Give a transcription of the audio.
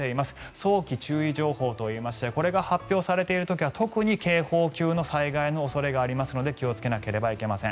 早期注意情報といいましてこれが発表されている時は特に警報級の災害の恐れがありますので気をつけなければなりません。